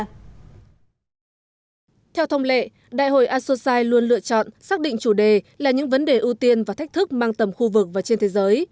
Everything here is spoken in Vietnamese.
theo thông lệ đại hội asosci luôn lựa chọn xác định chủ đề là những vấn đề ưu tiên và thách thức mang tầm khu vực và trên thế giới